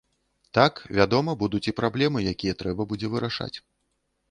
Так, вядома, будуць і праблемы, якія трэба будзе вырашаць.